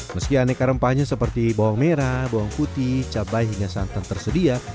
meski aneka rempahnya seperti bawang merah bawang putih cabai hingga santan tersedia